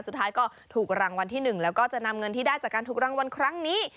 สุดท้ายก็ถูกรางวัลที่๑แล้วก็จะนำเงินที่ได้จากการถูกรางวัลครั้งนี้